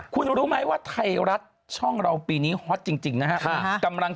ก็ไม่รู้หรอกมันอดหยิงแป๊บหนึ่ง